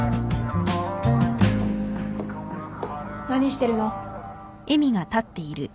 ・何してるの。